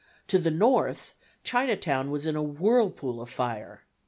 To the north, Chinatown was in a whirlpool of fire.